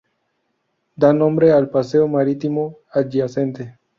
Da nombre al paseo marítimo adyacente.